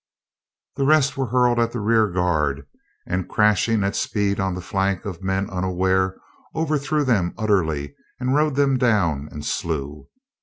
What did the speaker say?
The rest were hurled at the rear guard and, crashing at speed on the flank of men unaware, overthrew them utterly and rode them down and slew.